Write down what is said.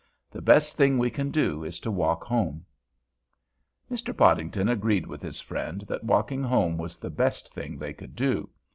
The best thing we can do is to walk home." Mr. Podington agreed with his friend that walking home was the best thing they could do.